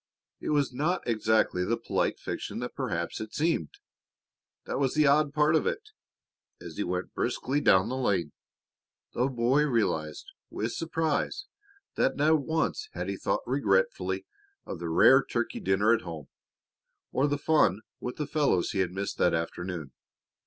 It was not exactly the polite fiction that perhaps it seemed. That was the odd part of it. As he went briskly down the lane the boy realized with surprise that not once had he thought regretfully of the rare turkey dinner at home, or the fun with the fellows he had missed that afternoon.